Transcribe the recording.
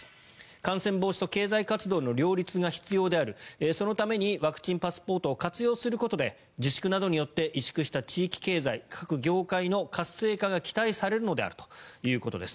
感染防止と経済活動の両立が必要であるそのためにワクチンパスポートを活用することで自粛などによって萎縮した地域経済や各業界の活性化が期待されるのであるということです。